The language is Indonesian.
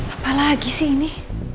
apa lagi sih ini